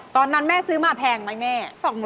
ตอนนั้นแม่ซื้อมาแพงไหมแม่